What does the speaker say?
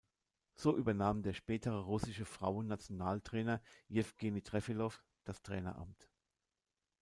So übernahm der spätere russische Frauen-Nationaltrainer, Jewgeni Trefilow, das Traineramt.